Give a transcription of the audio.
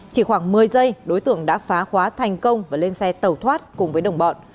chỉ khoảng một mươi giây đối tượng đã phá khóa thành công và lên xe tàu thoát cùng với đồng bọn